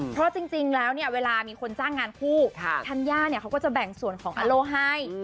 เพราะจริงแล้วเนี่ยเวลามีคนจ้างงานคู่ธัญญาเนี่ยเขาก็จะแบ่งส่วนของอาโล่ให้